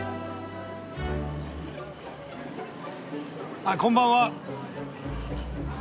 あっこんばんは。